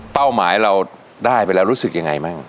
หมายเราได้ไปแล้วรู้สึกยังไงบ้าง